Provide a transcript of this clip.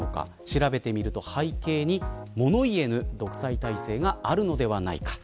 調べてみると背景に物言えぬ独裁体制があるのではないか。